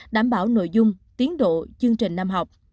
đảm bảo nội dung tiến độ chương trình năm học